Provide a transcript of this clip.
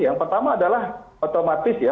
yang pertama adalah otomatis ya